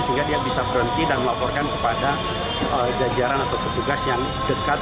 sehingga dia bisa berhenti dan melaporkan kepada jajaran atau petugas yang dekat